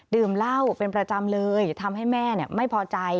ดื่มเหล้าเป็นประจำเลยทำให้แม่ไม่พอใจ